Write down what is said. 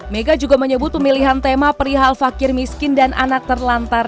mega juga menyebut pemilihan tema perihal fakir miskin dan anak terlantar